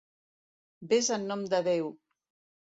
Ves en nom de Déu!